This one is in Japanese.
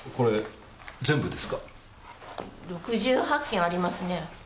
６８件ありますね。